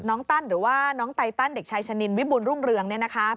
ตั้นหรือว่าน้องไตตันเด็กชายชะนินวิบุญรุ่งเรือง